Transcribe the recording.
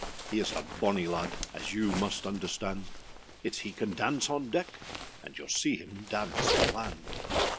He is a bonny lad, As you must understand; Itâs he can dance on deck, And youâll see him dance on land.